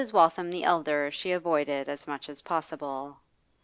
Waltham the elder she avoided as much as possible.